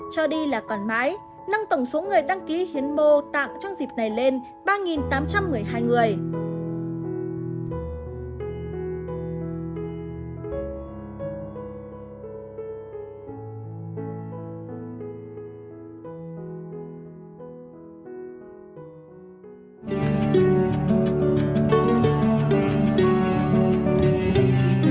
cho đi là còn mãi nâng tổng số người đăng ký hiến mô tạng trong dịp này lên ba tám trăm một mươi hai người